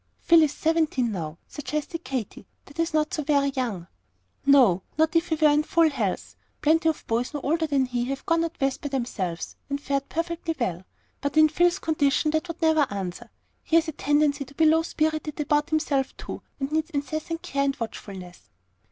"Phil is seventeen now," suggested Katy. "That is not so very young." "No, not if he were in full health. Plenty of boys no older than he have gone out West by themselves, and fared perfectly well. But in Phil's condition that would never answer. He has a tendency to be low spirited about himself too, and he needs incessant care and watchfulness."